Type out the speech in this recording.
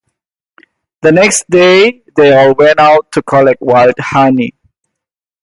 The next day they all went out to collect wild honey.